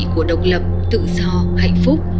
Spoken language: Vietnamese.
của độc lập tự do hạnh phúc